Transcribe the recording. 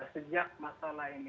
sejak masalah ini